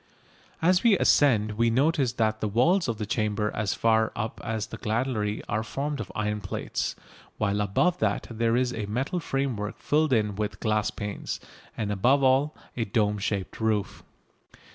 As we ascend we notice that the walls of the chamber as far up as the gallery are formed of iron plates, while above that there is a metal framework filled in with glass panes, and above all a dome shaped roof.